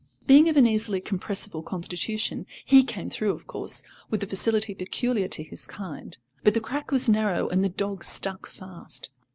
Being of an easily compressible constitution he came through, of course, with the facility peculiar to his kind, but the crack was narrow and the dog stuck fast.